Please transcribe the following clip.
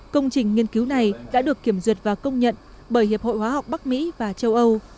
công trình nghiên cứu này đã được kiểm duyệt và công nhận bởi hiệp hội hóa học bắc mỹ và châu âu